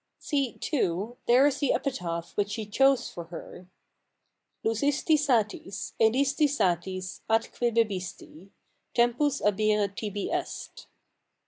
See, too, there is the epitaph which he chose for her :— Lusisli satis, edisti satis, atque l)il)isti ; Tenipus abire tibi est.